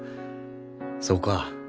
そうか。